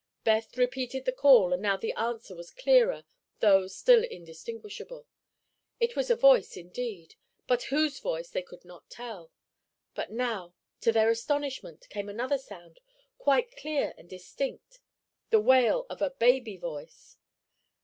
Beth repeated the call and now the answer was clearer, though still indistinguishable. It was a voice, indeed, but whose voice they could not tell. But now, to their astonishment, came another sound, quite clear and distinct—the wail of a baby voice.